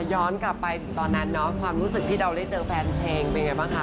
ย้อนกลับไปตอนนั้นเนาะความรู้สึกที่เราได้เจอแฟนเพลงเป็นยังไงบ้างคะ